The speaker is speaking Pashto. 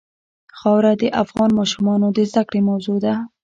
خاوره د افغان ماشومانو د زده کړې موضوع ده.